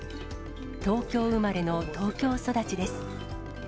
東京生まれの東京育ちです。